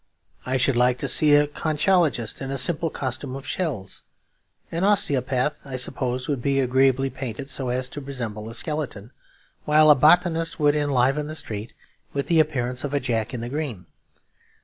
I should like to see a conchologist in a simple costume of shells. An osteopath, I suppose, would be agreeably painted so as to resemble a skeleton, while a botanist would enliven the street with the appearance of a Jack in the Green.